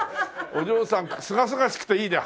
お嬢さんすがすがしくていいね。